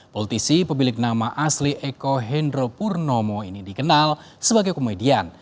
politisi pemilik nama asli eko hendro purnomo ini dikenal sebagai komedian